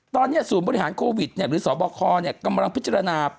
ตอนนี้ศูนย์บริหารโควิดหรือสบคกำลังพิจารณา